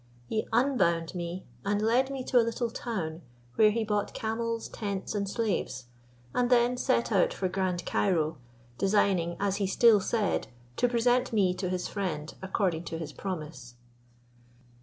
He unbound me and led me to a little town, where he bought camels, tents, and slaves, and then set out for Grand Cairo, designing, as he still said, to present me to his friend, according to his promise.